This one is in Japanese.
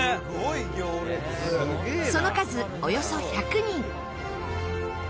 その数、およそ１００人！